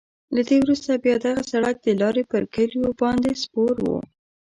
له دې وروسته بیا دغه سړک د لارې پر کلیو باندې سپور وو.